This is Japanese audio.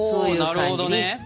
おなるほどね。